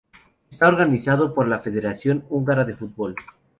Está organizado por la Federación Húngara de Fútbol.